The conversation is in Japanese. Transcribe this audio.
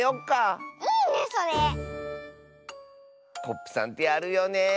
コップさんってやるよね。